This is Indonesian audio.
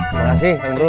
makasih kang bro